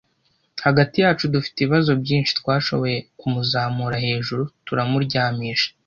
Hagati yacu, dufite ibibazo byinshi, twashoboye kumuzamura hejuru, turamuryamisha